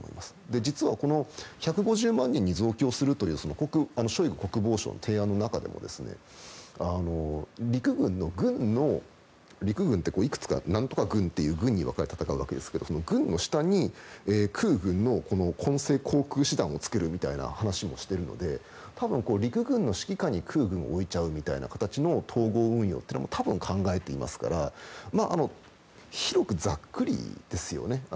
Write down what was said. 実は１５０万人に増強するというショイグ国防相の提案の中では陸軍っていくつか何とか軍とかに分かれて戦うんですけど軍の下に空軍の混成航空手段みたいなものをつけるという話もしているので多分、陸軍の指揮官に空軍を置いちゃうみたいな形の統合運用みたいなのも多分考えていますから広くざっくりですよね。